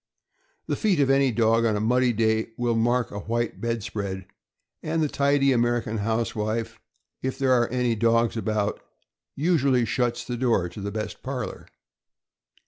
The feet of any dog on a muddy day will mark a white bed spread, and the tidy American housewife, if there are any dogs about, usually shuts the door to the best parlor.